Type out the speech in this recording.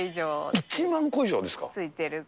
１万個以上ですか。